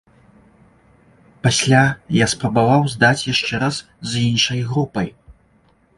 Пасля я спрабаваў здаць яшчэ раз з іншай групай.